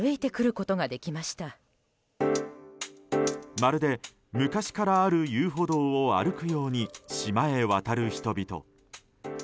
まるで昔からある遊歩道を歩くように島へ渡る人々。